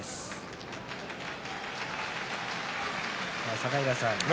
境川さん